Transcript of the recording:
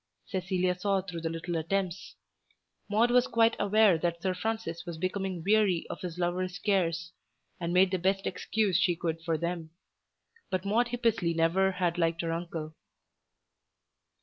Cecilia saw through the little attempts. Maude was quite aware that Sir Francis was becoming weary of his lover's cares, and made the best excuse she could for them. But Maude Hippesley never had liked her uncle.